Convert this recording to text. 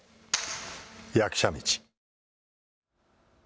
役者道。